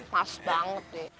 pas banget deh